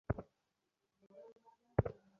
কেননা, আপনার অনেকক্ষণ খুব বেশিক্ষণ হইবে না।